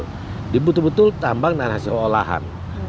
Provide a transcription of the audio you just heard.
jadi betul betul tambang dan hasil olahan